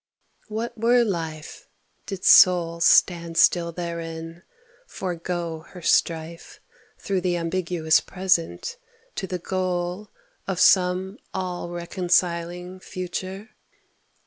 What were life Did soul stand still therein, forego her strife Through the ambiguous Present to the goal Of some all reconciling Future